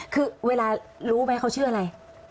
คือเวลารู้ไหมเขาชื่ออะไร